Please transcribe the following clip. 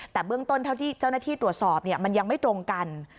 แต่เบื้องต้นเท่าที่เจ้าหน้าที่ตรวจสอบมันยังไม่ตรงกัน